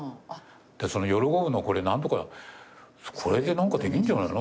で喜ぶのこれ何とかこれで何かできんじゃないの？